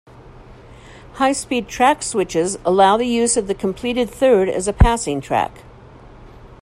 High-speed track switches allow the use of the completed third as a passing track.